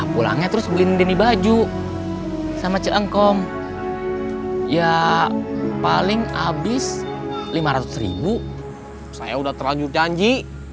pulangnya terus beli baju sama ceengkong ya paling habis lima ratus ribu saya udah terlanjur janji